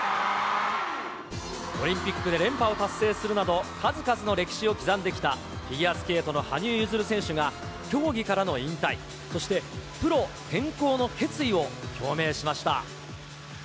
オリンピックで連覇を達成するなど、数々の歴史を刻んできた、フィギュアスケートの羽生結弦選手が、競技からの引退、そしてプロ転向の決意を表明しました。